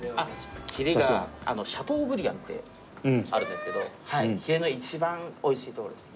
ヒレがシャトーブリアンってあるんですけどヒレの一番美味しいところですね。